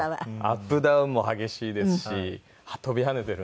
アップダウンも激しいですし飛び跳ねているので。